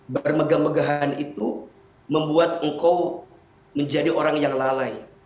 bermegah megahan itu membuat engkau menjadi orang yang lalai